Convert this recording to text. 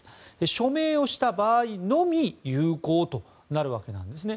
署名をした場合のみ有効となるわけなんですね。